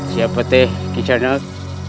siapa teh kisah nak